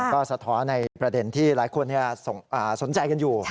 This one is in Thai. ก็สะท้อนในประเด็นที่หลายคนสนใจกันอยู่